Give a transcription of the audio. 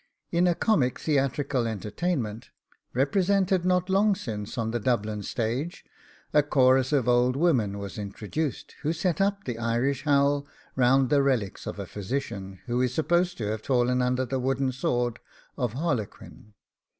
In a comic theatrical entertainment, represented not long since on the Dublin stage, a chorus of old women was introduced, who set up the Irish howl round the relics of a physician, who is supposed to have fallen under the wooden sword of Harlequin.